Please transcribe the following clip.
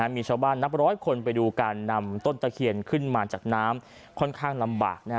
มีชาวบ้านนับร้อยคนไปดูการนำต้นตะเคียนขึ้นมาจากน้ำค่อนข้างลำบาก